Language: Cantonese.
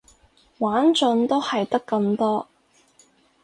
玩盡都係得咁多